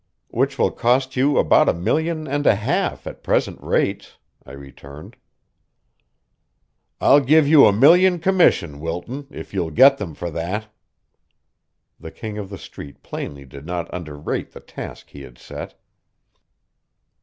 "Which will cost you about a million and a half at present rates," I returned. "I'll give you a million commission, Wilton, if you'll get them for that." The King of the Street plainly did not underrate the task he had set.